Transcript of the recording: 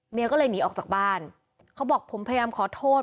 เมียก็เลยหนีออกจากบ้านเขาบอกผมพยายามขอโทษ